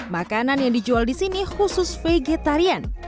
makanan yang dijual di sini khusus vegetarian